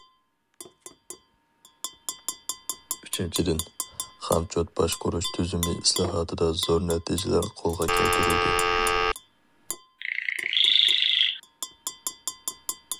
ئۈچىنچىدىن، خامچوت باشقۇرۇش تۈزۈمى ئىسلاھاتىدا زور نەتىجىلەر قولغا كەلتۈرۈلدى.